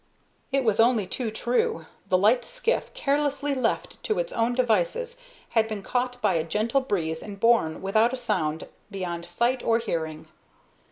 It was only too true. The light skiff, carelessly left to its own devices, had been caught by a gentle breeze and borne without a sound beyond sight or hearing.